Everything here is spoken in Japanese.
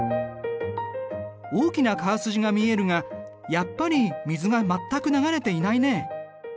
大きな川筋が見えるがやっぱり水が全く流れていないね。